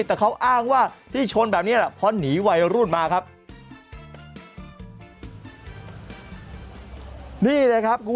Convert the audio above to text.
แต่เขาอ้างว่าที่ชนแบบนี้เพราะหนีวัยรุ่นมาครับ